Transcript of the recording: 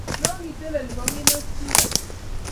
No kiteleli kokinach bik alak